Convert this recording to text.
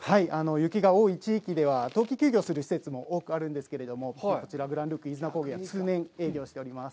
雪が多い地域では、冬季休業する施設も多くあるんですけれども、こちらグランルーク飯綱高原は通年営業しております。